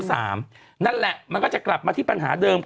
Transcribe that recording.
นั่นแหละมันก็จะกลับมาที่ปัญหาเดิม